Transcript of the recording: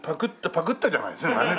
「パクって」じゃないですね。